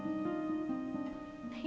mereka yang ngebesarin aku dan